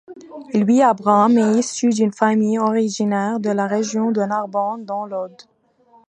Louis Abram est issu d'une famille originaire de la région de Narbonne dans l'Aude.